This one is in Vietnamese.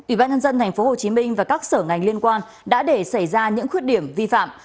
ủy ban nhân dân tp hcm và các sở ngành liên quan đã để xảy ra những khuyết điểm vi phạm